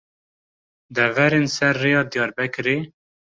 Deverên Ser Rêya Diyarbekirê